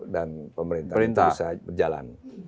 dan pemerintah itu bisa berjalan